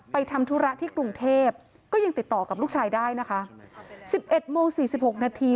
ทำธุระที่กรุงเทพก็ยังติดต่อกับลูกชายได้นะคะสิบเอ็ดโมงสี่สิบหกนาที